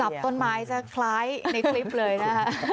ต้นไม้จะคล้ายในคลิปเลยนะคะ